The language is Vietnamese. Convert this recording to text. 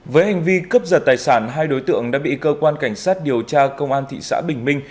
với hành vi cướp giật tài sản hai đối tượng đã bị cơ quan cảnh sát điều tra công an thị xã bình minh